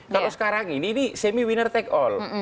kalau sekarang ini ini semi winner take all